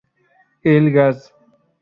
El gas.